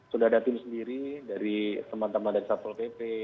sudah ada tim sendiri dari teman teman dari satpol pp